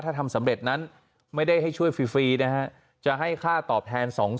ถ้าทำสำเร็จนั้นไม่ได้ให้ช่วยฟรีนะฮะจะให้ค่าตอบแทน๒๐๐๐